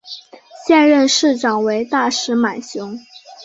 现任市长为大石满雄。